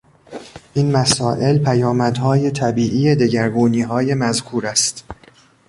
این مسائل پیامدهای طبیعی دگرگونیهای مذکور است.